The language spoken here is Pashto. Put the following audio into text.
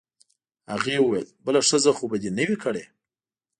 هغې وویل: بله ښځه خو به دي نه وي کړې؟